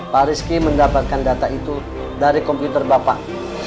pak rizky mendapatkan data itu dari komputer bapak